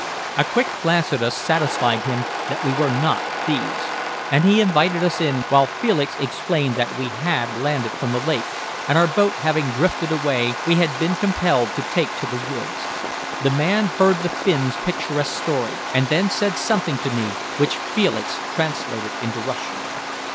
A quick glance at us satisfied him that we were not thieves, and he invited us in while Felix explained that we had landed from the lake, and our boat having drifted away we had been compelled to take to the woods. The man heard the Finn's picturesque story, and then said something to me which Felix translated into Russian.